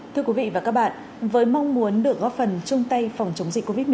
thưa quý vị và các bạn với mong muốn được góp phần chung tay phòng chống dịch covid một mươi